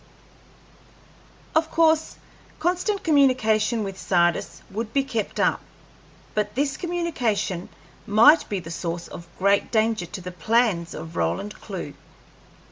Of course constant communication with Sardis would be kept up, but this communication might be the source of great danger to the plans of Roland Clewe.